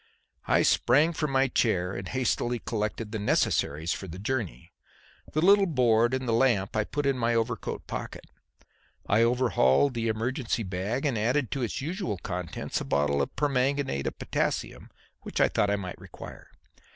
I sprang from my chair and hastily collected the necessaries for the journey. The little board and the lamp I put in my overcoat pocket; I overhauled the emergency bag and added to its usual contents a bottle of permanganate of potassium which I thought I might require.